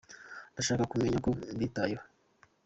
ndashako mumenya ko mbitayeho